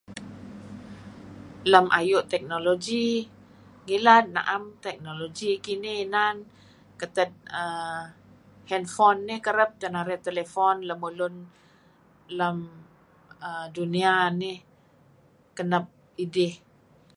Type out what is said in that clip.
Lem ayu' teknologi, ngilad na'em teknologi. Kinih inan. Keted err hanfon 'nih kereb teh narih telefon lemulun lem... dunia inih... kenep idih.